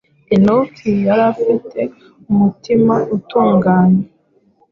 Enoki yari afite umutima utunganye,